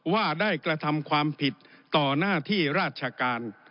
ว่าได้กระทำความผิดต่อหน้าที่ราชการ